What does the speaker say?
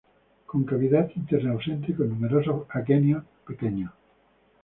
Con cavidad interna ausente, con numerosos aquenios pequeños.